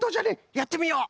やってみよう！